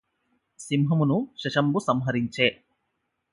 సింహమును శశంబు సంహరించె